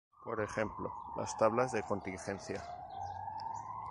Por ejemplo las tablas de contingencia.